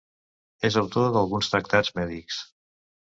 És autor d'alguns tractats mèdics.